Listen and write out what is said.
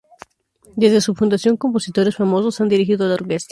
Desde su fundación compositores famosos han dirigido a la orquesta.